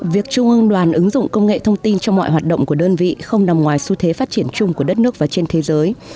việc trung ương đoàn ứng dụng công nghệ thông tin cho mọi hoạt động của đơn vị không nằm ngoài xu thế phát triển chung của đất nước và trên thế giới